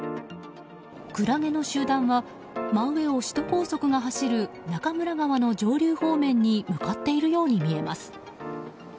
クラゲの集団は真上を首都高速が走る中村川の上流方面に向かっているように見えます。